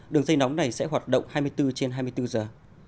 đường dây nóng này sẽ hoạt động hai mươi bốn trên hai mươi bốn giờ